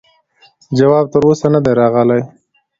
جواب تر اوسه نه دی راغلی.